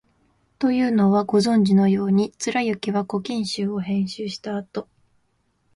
というのは、ご存じのように、貫之は「古今集」を編集したあと、